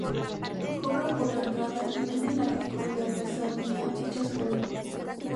Cobran por la entrada y venden artículos de artesanía hechas por ellas.